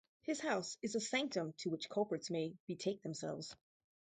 His house is a sanctum to which culprits may betake themselves.